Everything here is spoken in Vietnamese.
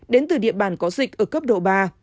đến từ địa bàn có dịch ở cấp độ ba